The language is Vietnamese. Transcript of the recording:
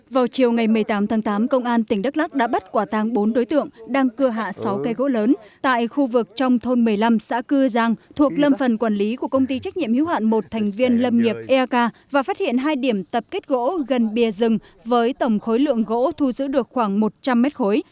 vào chiều ngày một mươi tám tháng tám công an tỉnh đắk lắc đã bắt quả tàng bốn đối tượng đang cưa hạ sáu cây gỗ lớn tại khu vực trong thôn một mươi năm xã cư giang thuộc lâm phần quản lý của công ty trách nhiệm hữu hạn một thành viên lâm nghiệp eak và phát hiện hai điểm tập kết gỗ gần bìa rừng với tổng khối lượng gỗ thu giữ được khoảng một trăm linh mét khối